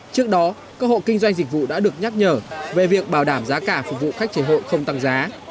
trước đó các hộ kinh doanh dịch vụ đã được nhắc nhở về việc bảo đảm giá cả phục vụ khách chế hội không tăng giá